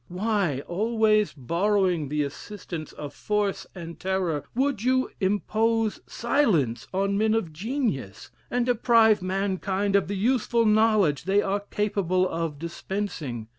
Why, always borrowing the assistance of force and terror, would you impose silence on men of genius, and deprive mankind of the useful knowledge they are capable of dispensing?